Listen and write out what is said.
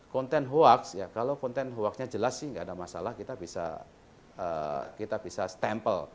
konten hoax ya kalau konten hoaxnya jelas sih nggak ada masalah kita bisa stempel